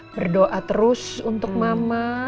berdoa terus untuk mama